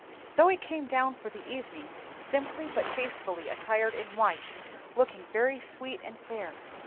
Zoe came down for the evening simply but tastefully attired in white, looking very sweet and fair.